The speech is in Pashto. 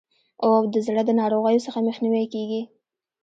او د زړه د ناروغیو څخه مخنیوی کیږي.